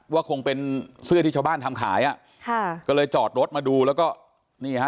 ว่าคงเป็นเสื้อที่ชาวบ้านทำขายอ่ะค่ะก็เลยจอดรถมาดูแล้วก็นี่ฮะ